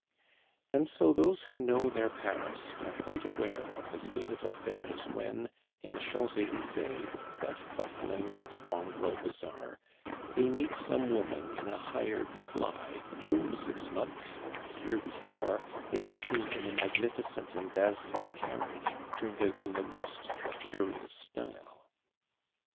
And so those who know their Paris are quite aware of the state of affairs when, in the Champs Elysees that bustling and mongrel bazaar they meet some woman in a hired fly whom six months or a year before they had seen in a magnificent and dazzling carriage, turned out in the most luxurious style.